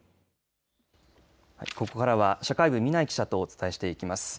はい、ここからは社会部、南井記者とお伝えしていきます。